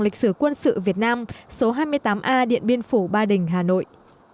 lịch sử quân sự việt nam số hai mươi tám a điện biên phủ ba đình hà nội